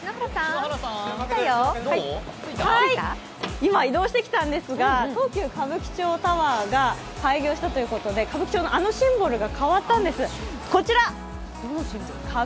今移動してきたんですが、東急歌舞伎町タワーが変わったということで歌舞伎町のあのシンボルが変わったんです。